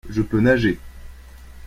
Je peux nager.